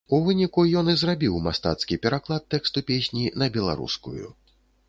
У выніку, ён і зрабіў мастацкі пераклад тэксту песні на беларускую.